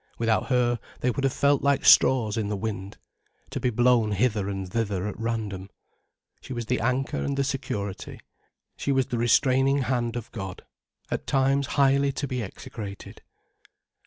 Without her, they would have felt like straws in the wind, to be blown hither and thither at random. She was the anchor and the security, she was the restraining hand of God, at times highly to be execrated.